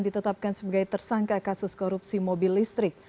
ditetapkan sebagai tersangka kasus korupsi mobil listrik